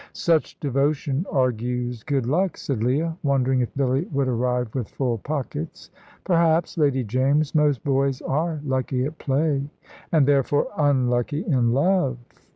"Such devotion argues good luck," said Leah, wondering if Billy would arrive with full pockets. "Perhaps, Lady James. Most boys are lucky at play." "And therefore unlucky in love?"